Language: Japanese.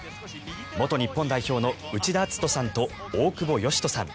元日本代表の内田篤人さんと大久保嘉人さん